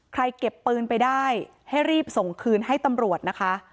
เก็บปืนไปได้ให้รีบส่งคืนให้ตำรวจนะคะ